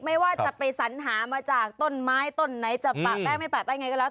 ไม่ว่าจะไปสัญหามาจากต้นไม้ต้นไหนจะปะแป้งไม่ปะแป้งไงก็แล้ว